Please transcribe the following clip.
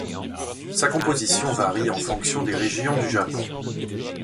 Sa composition varie en fonction des régions du Japon.